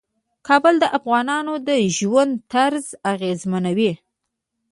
کابل د افغانانو د ژوند طرز اغېزمنوي.